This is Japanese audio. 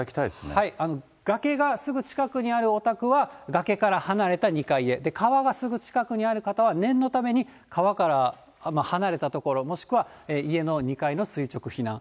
崖がすぐ近くにあるお宅は、崖から離れた２階へ、川がすぐ近くにある方は、念のために川から離れた所、もしくは家の２階の垂直避難。